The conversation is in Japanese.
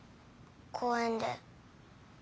公園で。